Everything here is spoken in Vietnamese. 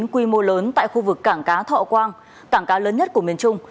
quy mô lớn tại khu vực cảng cá thọ quang cảng cá lớn nhất của miền trung